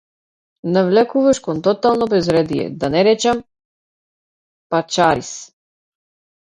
Навлекуваш кон тотално безредие, да не речам - пачариз!